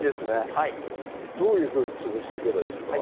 はいどういうふうに潰していけばいいですか？